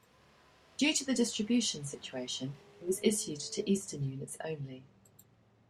Due to the distribution situation, it was issued to eastern units only.